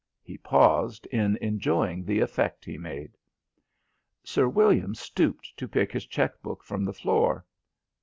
He paused in enjoying the effect he made. Sir William stooped to pick his cheque book from the floor.